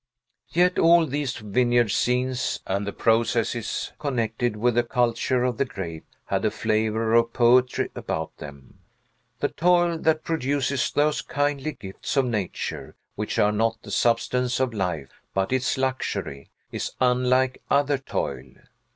Yet all these vineyard scenes, and the processes connected with the culture of the grape, had a flavor of poetry about them. The toil that produces those kindly gifts of nature which are not the substance of life, but its luxury, is unlike other toil.